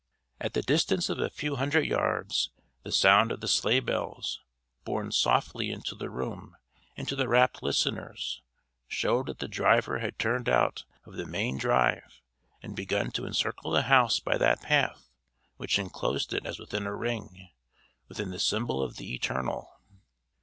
At the distance of a few hundred yards the sound of the sleigh bells, borne softly into the room and to the rapt listeners, showed that the driver had turned out of the main drive and begun to encircle the house by that path which enclosed it as within a ring within the symbol of the eternal.